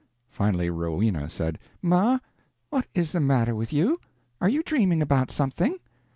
Finally Rowena said: "Ma, what is the matter with you? Are you dreaming about something?"